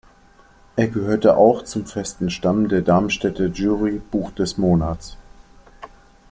Er gehörte auch zum festen Stamm der Darmstädter Jury „Buch des Monats“.